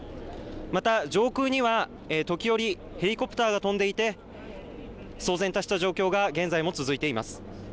また上空には時折、ヘリコプターが飛んでいて騒然とした状況が現在も続いています。